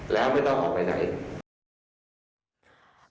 แล้วไม่ต้องออกไปไหน